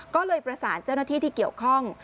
ก็เลยประสานเจ้าหน้าที่ที่เกี่ยวข้อง